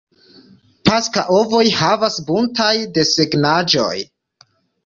Paska ovoj havas buntaj desegnaĵoj.